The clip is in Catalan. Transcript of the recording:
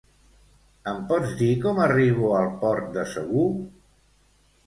Em pots dir com arribo al Port de Segur?